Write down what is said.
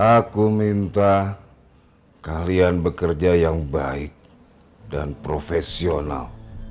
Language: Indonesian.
aku minta kalian bekerja yang baik dan profesional